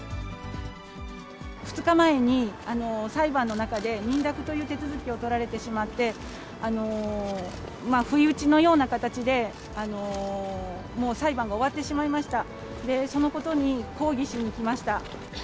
２日前に、裁判の中で認諾という手続きを取られてしまって、不意打ちのような形で、もう裁判が終わってしまいました。